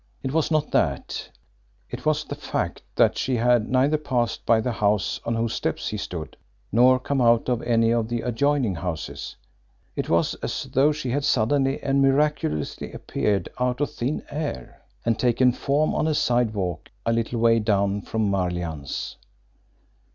It was not that it was the fact that she had neither passed by the house on whose steps he stood, nor come out of any of the adjoining houses. It was as though she had suddenly and miraculously appeared out of thin air, and taken form on a sidewalk a little way down from Marlianne's.